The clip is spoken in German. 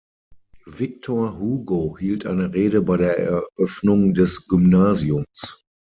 Victor Hugo hielt eine Rede bei der Eröffnung des Gymnasiums.